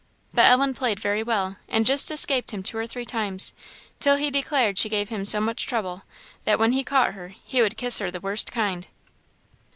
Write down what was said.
But Ellen played very well, and just escaped him two or three times, till he declared she gave him so much trouble, that when he caught her he would "kiss her the worst kind."